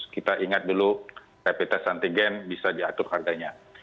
kita ingat dulu ppt santigen bisa diatur harganya